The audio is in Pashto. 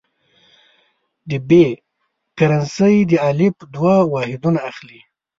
د ب کرنسي د الف دوه واحدونه اخلي.